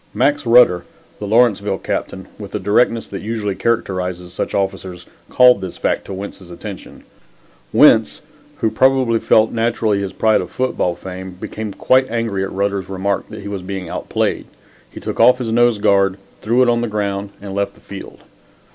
Max Rutter, the Lawrenceville captain, with the directness that usually characterizes such officers, called this fact to Wentz's attention. Wentz, who probably felt naturally his pride of football fame, became quite angry at Rutter's remark that he was being outplayed. He took off his nose guard, threw it on the ground and left the field.